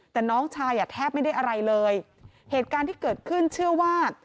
แต่น้องชายอ่ะแทบไม่ได้อะไรเลยเหตุการณ์ที่เกิดขึ้นเชื่อว่า